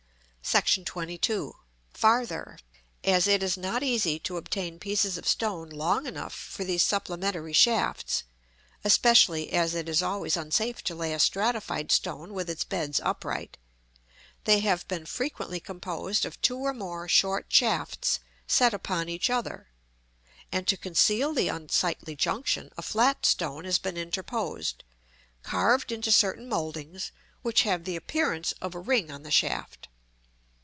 § XXII. Farther: as it is not easy to obtain pieces of stone long enough for these supplementary shafts (especially as it is always unsafe to lay a stratified stone with its beds upright) they have been frequently composed of two or more short shafts set upon each other, and to conceal the unsightly junction, a flat stone has been interposed, carved into certain mouldings, which have the appearance of a ring on the shaft.